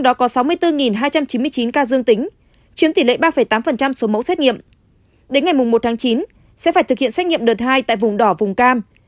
đến ngày một chín sẽ phải thực hiện xét nghiệm đợt hai tại vùng đỏ vùng cam